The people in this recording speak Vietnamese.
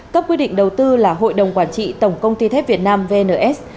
cấp quy định đầu tư là hội đồng quản trị tổng công ty thép việt nam vns